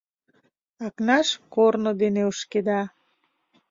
Акнаш корно дене ошкеда.